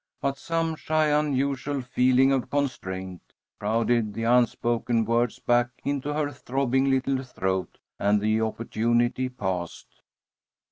But some shy, unusual feeling of constraint crowded the unspoken words back into her throbbing little throat, and the opportunity passed.